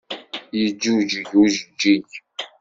Yeǧǧuǧeg ujeǧǧig.